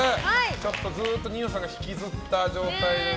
ちょっと、ずっと二葉さんが引きずった状態で。